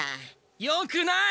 よくない！